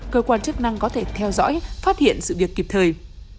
cơ quan chức năng có thể theo dõi phát hiện sự việc kịp thời